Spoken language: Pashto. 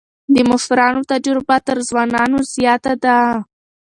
د مشرانو تجربه تر ځوانانو زياته ده.